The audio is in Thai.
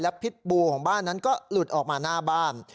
พิษบูของบ้านนั้นก็หลุดออกมาหน้าบ้าน